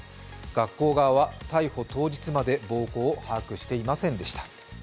学校側は逮捕当日まで暴行を把握していませんでした。